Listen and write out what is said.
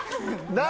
何？